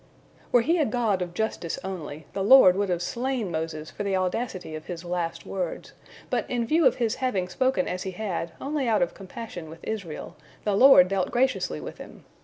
Were He a God of justice only, the Lord would have slain Moses for the audacity of his last words, but in view of his having spoken as he had only out of compassion with Israel, the Lord dealt graciously with him.